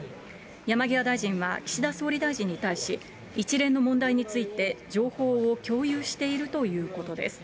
山際大臣は、岸田総理大臣に対し、一連の問題について情報を共有しているということです。